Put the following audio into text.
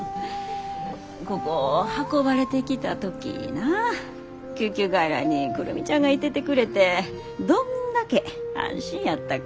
ここ運ばれてきた時な救急外来に久留美ちゃんがいててくれてどんだけ安心やったか。